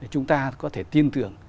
chúng ta có thể tin tưởng